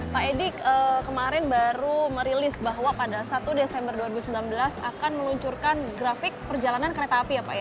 pak edi kemarin baru merilis bahwa pada satu desember dua ribu sembilan belas akan meluncurkan grafik perjalanan kereta api ya pak ya